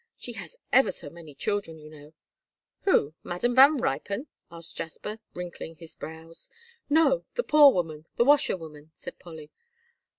She has ever so many children, you know." "Who? Madam Van Ruypen?" asked Jasper, wrinkling his brows. "No, the poor woman, the washerwoman," said Polly.